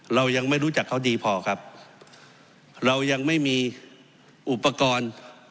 เรายังไม่รู้จักเขาดีพอครับเรายังไม่มีอุปกรณ์